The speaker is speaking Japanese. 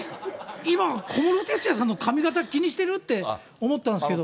今、小室哲哉さんの髪形気にしてる？って思ったんですけど。